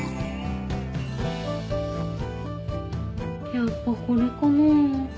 やっぱこれかな？